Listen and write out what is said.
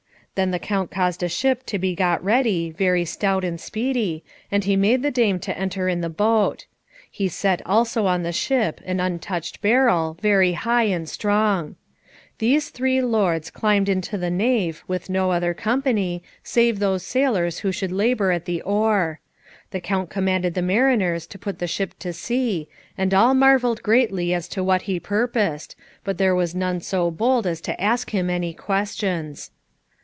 Then the Count caused a ship to be got ready, very stout and speedy, and he made the dame to enter in the boat. He set also on the ship an untouched barrel, very high and strong. These three lords climbed into the nave, with no other company, save those sailors who should labour at the oar. The Count commanded the mariners to put the ship to sea, and all marvelled greatly as to what he purposed, but there was none so bold as to ask him any questions.